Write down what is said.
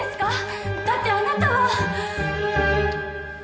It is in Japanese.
だってあなたは。